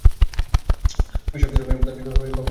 বিদ্যালয়ের প্রধান শিক্ষক বাবু তপন কুমার পালিত।